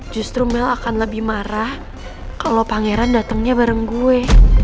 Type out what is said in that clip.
justru mel akan lebih marah kalau pangeran datangnya bareng gue